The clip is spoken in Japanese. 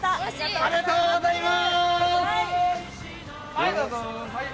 ありがとうございます。